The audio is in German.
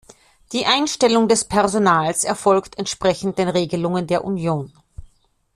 Die Einstellung des Personals erfolgt entsprechend den Regelungen der Union.